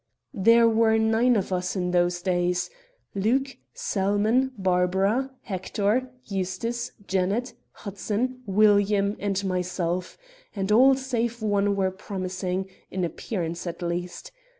"There were nine of us in those days: Luke, Salmon, Barbara, Hector, Eustace, Janet, Hudson, William and myself; and all save one were promising, in appearance at least.